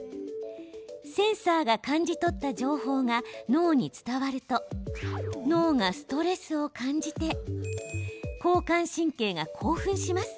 センサーが感じ取った情報が脳に伝わると脳がストレスを感じて交感神経が興奮します。